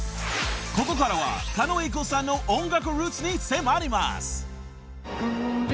［ここからは狩野英孝さんの音楽ルーツに迫ります］